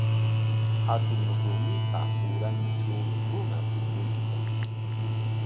Hatun rumipa urantraw runa puñuykan.